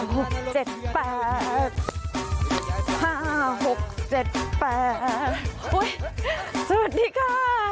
ห้าหกเจ็ดแปดห้าหกเจ็ดแปดสวัสดีค่ะ